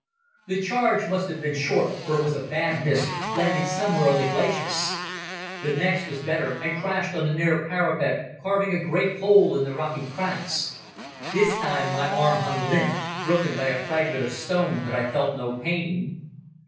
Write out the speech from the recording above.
The charge must have been short, for it was a bad miss, landing somewhere on the glacis. The next was better and crashed on the near parapet, carving a great hole in the rocky kranz. This time my arm hung limp, broken by a fragment of stone, but I felt no pain.